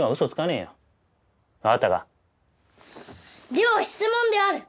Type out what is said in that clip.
では質問である！